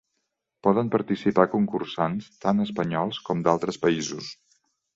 Poden participar concursants tant espanyols com d'altres països.